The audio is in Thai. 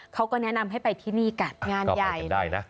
เขาก็แนะนำให้ไปที่นี่กันงานใหญ่นะ